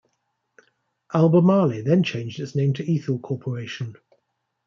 Albemarle then changed its name to Ethyl Corporation.